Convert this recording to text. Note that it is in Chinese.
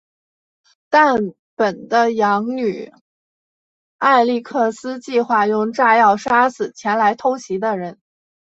但本的养女艾莉克斯计划用炸药杀死前来偷袭的人。